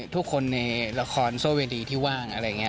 ทุกคนในละครโซเวดีที่ว่างอะไรอย่างนี้